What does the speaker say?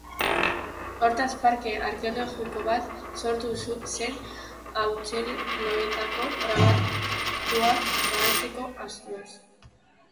Hortaz, parke arkeologiko bat sortu zen haitzuloetako grabatuak babesteko asmoz.